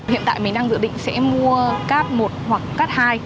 hiện tại mình đang dự định sẽ mua cat một hoặc cat hai